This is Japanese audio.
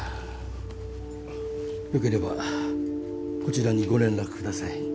良ければこちらにご連絡ください。